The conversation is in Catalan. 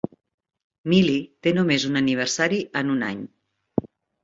Millie té només un aniversari en un any.